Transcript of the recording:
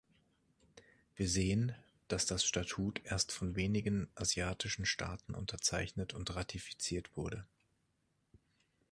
Wir sehen, dass das Statut erst von wenigen asiatischen Staaten unterzeichnet und ratifiziert wurde.